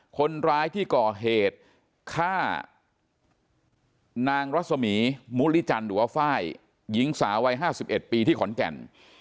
คนร้ายที่ก่อเหตุฆ่านางรัศมีมุริจันทร์หรือว่าไฟล์หญิงสาววัย๕๑ปีที่ขอนแก่น